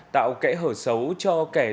tạo kẻ hở xấu cho kẻ tự nhiên